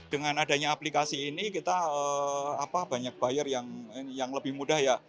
dengan adanya aplikasi ini kita banyak buyer yang lebih mudah ya